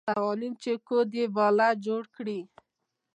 قوانین چې کوډ یې باله جوړ کړي.